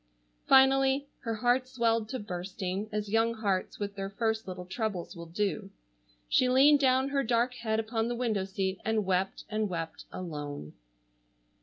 Finally,—her heart swelled to bursting, as young hearts with their first little troubles will do,—she leaned down her dark head upon the window seat and wept and wept, alone.